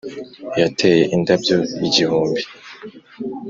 yateye indabyo igihumbi